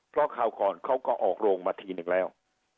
เพราะคราวก่อนเขาก็ออกโรงมาทีนึงแล้ว